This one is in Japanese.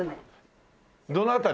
どの辺り？